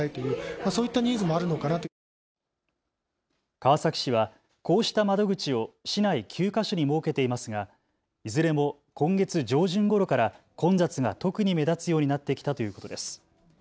川崎市はこうした窓口を市内９か所に設けていますがいずれも今月上旬ごろから混雑が特に目立つようになってきたということです。